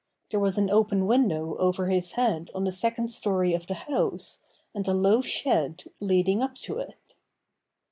There was an open window over his head on the second story of the house, and a low shed leading up to it.